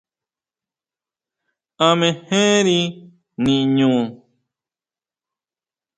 ¿A mejeri niñu?